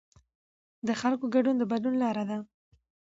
د خلکو ګډون د بدلون لاره ده